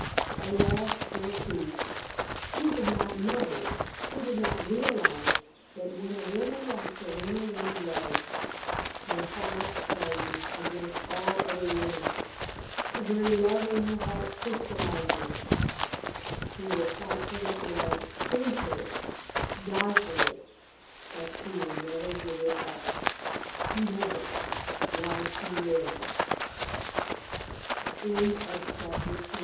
Alas, poor Keith! He did not know he did not realize that when a woman like Serena Lynne loves, her heart hardens against all other women the very love in her heart crystallizes. She will fight for that love, sin for it, die for it, but she will never give it up never while she lives. CHAPTER XI. SERENA'S FIRST LOVE LETTER.